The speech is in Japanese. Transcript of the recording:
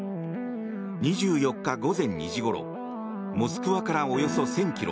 ２４日午前２時ごろモスクワからおよそ１０００ｋｍ